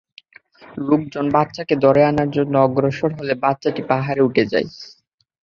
লোকজন বাচ্চাকে ধরে আনার জন্যে অগ্রসর হলে বাচ্চাটি পাহাড়ে উঠে যায়।